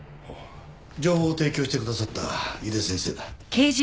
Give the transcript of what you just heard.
情報を提供してくださった井手先生だ。